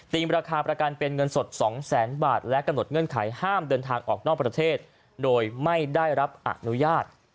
ราคาประกันเป็นเงินสด๒แสนบาทและกำหนดเงื่อนไขห้ามเดินทางออกนอกประเทศโดยไม่ได้รับอนุญาต